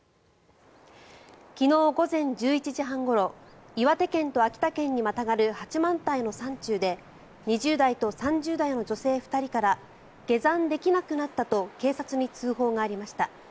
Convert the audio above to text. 昨日午前１１時半ごろ岩手県と秋田県にまたがる八幡平の山中で２０代と３０代の女性２人から下山できなくなったと警察に通報がありました。